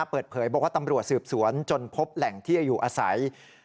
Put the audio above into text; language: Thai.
เปิดเผยบอกว่าตำรวจสืบสวนจนพบแหล่งที่อยู่อาศัย